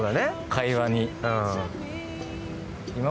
会話に。